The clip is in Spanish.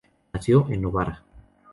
Nació en Novara.